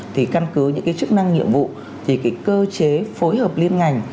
thì căn cứ những cái chức năng nhiệm vụ thì cái cơ chế phối hợp liên ngành